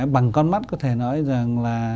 bằng con mắt có thể nói rằng là